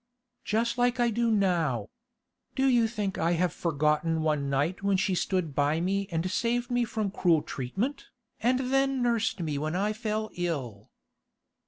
'Just like I do now. Do you think I have forgotten one night when she stood by me and saved me from cruel treatment, and then nursed me when I fell ill?